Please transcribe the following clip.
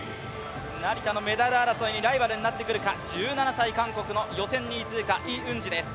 成田のメダル争いのライバルになってくるか、１７歳、韓国の予選２位通過、イ・ウンジです。